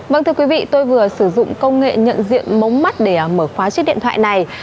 vâng thưa quý vị tôi vừa sử dụng công nghệ nhận diện mống mắt để mở khóa chiếc điện thoại này